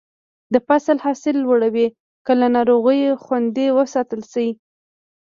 د فصل حاصل لوړوي که له ناروغیو خوندي وساتل شي.